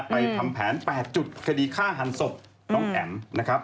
ทำแผน๘จุดคดีฆ่าหันศพน้องแอ๋มนะครับ